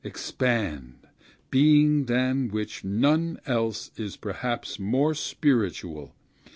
Expand, being than which none else is perhaps more spiritual!